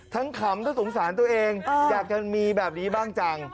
ขำทั้งสงสารตัวเองอยากจะมีแบบนี้บ้างจัง